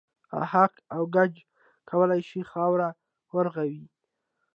اهک او ګچ کولای شي خاوره و رغوي.